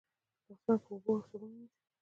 لاسونه په اوبو او صابون مینځئ.